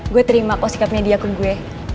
gue terima kok sikapnya diakui gue